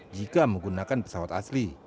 jika menggunakan pesawat asli